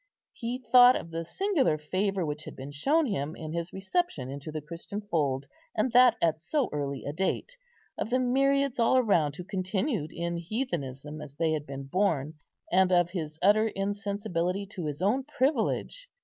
He thought of the singular favour which had been shown him in his reception into the Christian fold, and that at so early a date; of the myriads all around who continued in heathenism as they had been born, and of his utter insensibility to his own privilege.